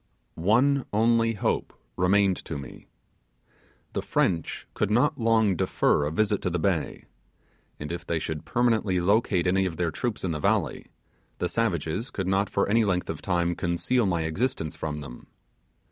One only hope remained to me. The French could not long defer a visit to the bay, and if they should permanently locate any of their troops in the valley, the savages could not for any length of time conceal my existence from them.